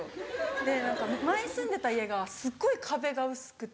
で何か前住んでた家がすっごい壁が薄くて。